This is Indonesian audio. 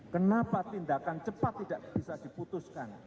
kenapa tindakan cepat tidak bisa diputuskan